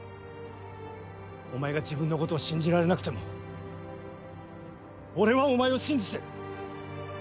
お前が自分のことを信じられなくても俺はお前を信じてる。